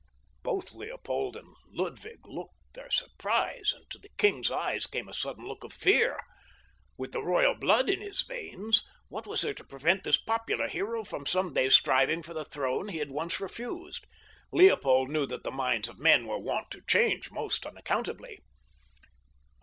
Both Leopold and Ludwig looked their surprise, and to the king's eyes came a sudden look of fear. With the royal blood in his veins, what was there to prevent this popular hero from some day striving for the throne he had once refused? Leopold knew that the minds of men were wont to change most unaccountably.